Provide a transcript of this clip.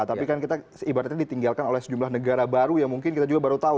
tapi kan kita ibaratnya ditinggalkan oleh sejumlah negara baru yang mungkin kita juga baru tahu